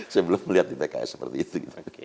saya belum melihat di pks seperti itu